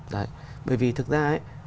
tại sao lại không ạ